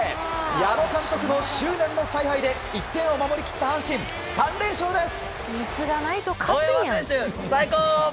矢野監督の執念の采配で１点を守り切った阪神３連勝です。